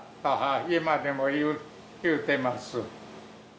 今でも言うてます。